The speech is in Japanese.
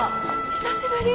久しぶり。